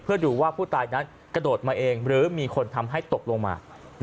เพื่อดูว่าผู้ตายนั้นกระโดดมาเองหรือมีคนทำให้ตกลงมา